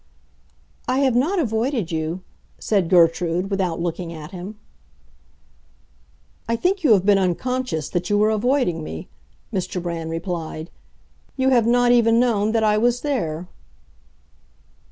"I have not avoided you," said Gertrude, without looking at him. "I think you have been unconscious that you were avoiding me," Mr. Brand replied. "You have not even known that I was there."